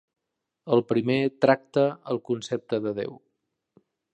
El primer tracta el concepte de Déu.